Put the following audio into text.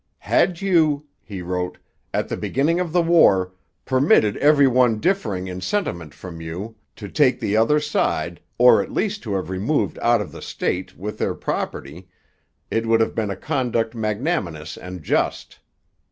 'Had you,' he wrote, 'at the beginning of the war, permitted every one differing in sentiment from you, to take the other side, or at least to have removed out of the State, with their property ... it would have been a conduct magnanimous and just.